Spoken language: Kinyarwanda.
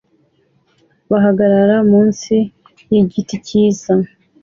Bahagarara munsi yigiti cyiza